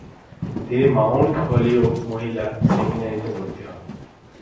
তিনি Mount Holyoke মহিলা সেমিনারীতে ভর্তি হন ।